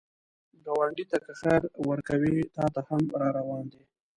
ګاونډي ته که خیر ورکوې، تا ته هم راروان دی